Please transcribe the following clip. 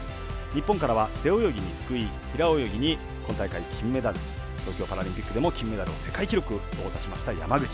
日本からは背泳ぎに福井平泳ぎに今大会、金メダル東京パラリンピックでも金メダル世界記録を出しました山口。